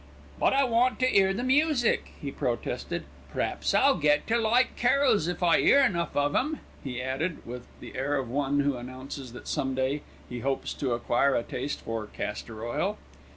"But I want to 'ear the music," he protested. "P'raps I'll get to like carols if I 'ear enough of 'em," he added, with the air of one who announces that some day he hopes to acquire a taste for castor oil.